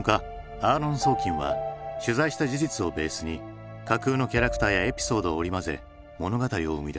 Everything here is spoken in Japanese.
アーロン・ソーキンは取材した事実をベースに架空のキャラクターやエピソードを織り交ぜ物語を生み出した。